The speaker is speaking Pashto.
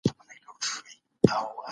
تر غوږونو نه رسیږي